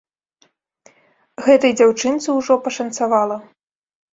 Гэтай дзяўчынцы ўжо пашанцавала.